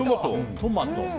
トマト。